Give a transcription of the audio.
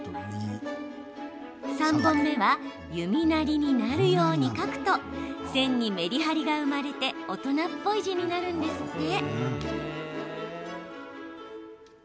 ３本目は弓なりになるように書くと線にメリハリが生まれて大人っぽい字になるんですって。